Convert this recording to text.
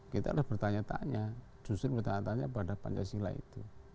kita harus bertanya tanya justru bertanya tanya pada pancasila itu